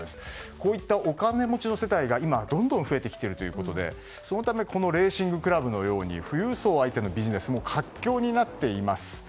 こういった、お金持ちの世帯が今、どんどん増えてきているということでそのためこのレーシングクラブのように富裕層相手のビジネスも活況になっています。